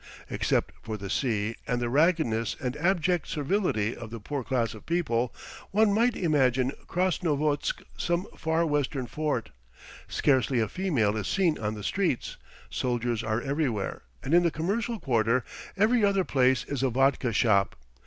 Except for the sea, and the raggedness and abject servility of the poor class of people, one might imagine Krasnovodsk some Far Western fort. Scarcely a female is seen on the streets, soldiers are everywhere, and in the commercial quarter every other place is a vodka shop.